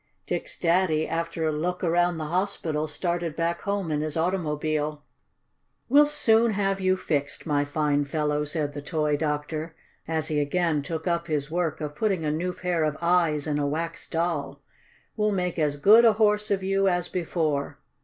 Dick's Daddy, after a look around the hospital started back home in his automobile. "We'll soon have you fixed, my fine fellow!" said the toy doctor, as he again took up his work of putting a new pair of eyes in a wax doll. "We'll make as good a Horse of you as before."